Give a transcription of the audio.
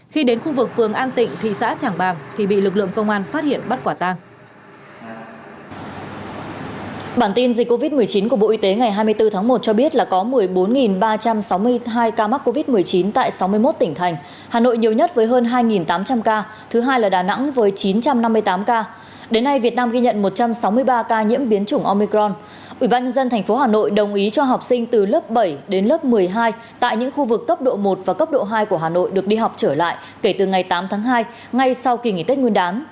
khi đến khu vực phường an tịnh thị xã tràng bàng bị lực lượng công an phát hiện bắt quả tăng